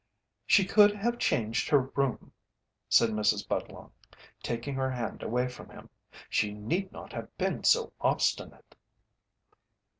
"She could have changed her room," said Mrs. Budlong, taking her hand away from him. "She need not have been so obstinate."